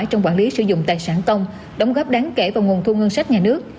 trong quản lý sử dụng tài sản công đóng góp đáng kể vào nguồn thu ngân sách nhà nước